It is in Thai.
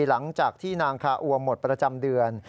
หลังจากที่นางคาอัวหมดประจำเดือน